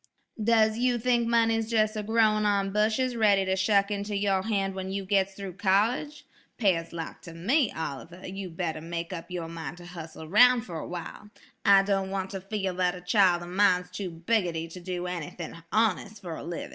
"Does you think money's jes' a growin' on bushes ready to shuck into your hand when you gits through college? Pears lak to me, Oliver, you'd better make up yer min' to hussle aroun' fer awhile. I don't want ter feel that a chile o' min's too biggotty to do anything hones' fer a livin'.